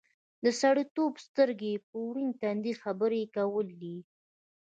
د سړیتوب سترګې په ورین تندي خبرې کول دي.